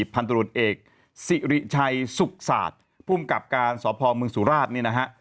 พันธุรกิจเอกสิริชัยสุขศาสตร์ผู้กับการสอบภอมเมืองสุราชนี่นะฮะ